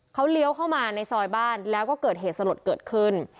เขาเลี้ยวเข้ามาในซอยบ้านแล้วก็เกิดเหตุสลดเกิดขึ้น